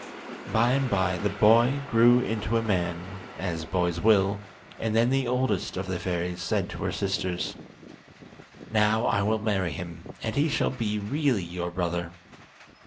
By and by the boy grew into a man, as boys will, and then the oldest of the fairies said to her sisters: "Now I will marry him, and he shall be really your brother."